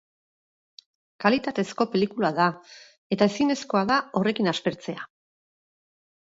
Kalitatezko pelikula da, eta ezinezkoa da horrekin aspertzea.